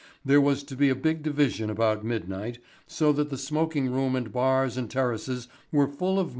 There was to be a big division about midnight, so that the smoking room and bars and terraces were full of members.